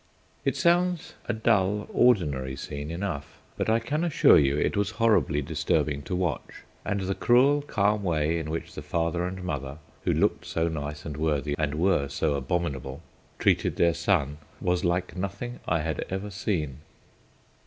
It sounds a dull ordinary scene enough, but I can assure you it was horribly disturbing to watch, and the cruel calm way in which the father and mother, who looked so nice and worthy and were so abominable, treated their son, was like nothing I had ever seen.